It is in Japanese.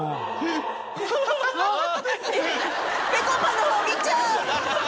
ぺこぱの方見ちゃう。